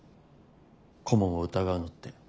顧問を疑うのって。